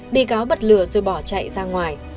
bị cáo bật lửa rồi bỏ chạy ra ngoài